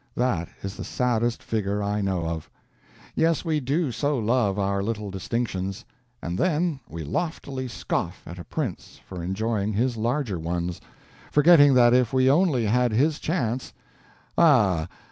That is the saddest figure I know of. Yes, we do so love our little distinctions! And then we loftily scoff at a Prince for enjoying his larger ones; forgetting that if we only had his chance ah!